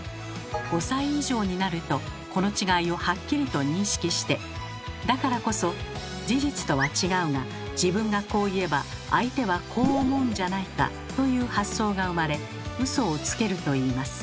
５歳以上になるとこの違いをはっきりと認識してだからこそ「事実とは違うが自分がこう言えば相手はこう思うんじゃないか？」という発想が生まれウソをつけるといいます。